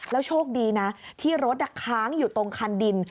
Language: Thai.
โชคดีนะที่รถค้างอยู่ตรงคันดิน